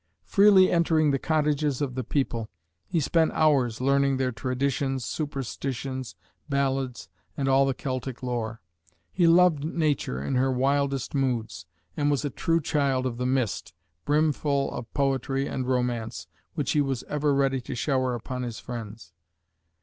Freely entering the cottages of the people, he spent hours learning their traditions, superstitions, ballads, and all the Celtic lore. He loved nature in her wildest moods, and was a true child of the mist, brimful of poetry and romance, which he was ever ready to shower upon his friends.